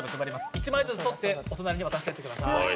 １枚ずつ取って、お隣に渡してください。